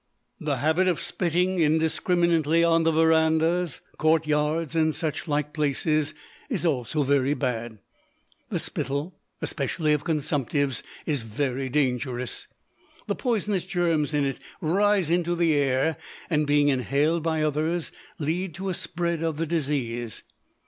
The habit of spitting indiscriminately on the verandahs, court yards, and such like places is also very bad. The spittle, especially of consumptives, is very dangerous. The poisonous germs in it rise into the air, and, being inhaled by others, lead to a spread of the disease.